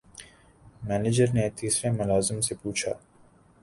manager نے تیسرے ملازم سے پوچھا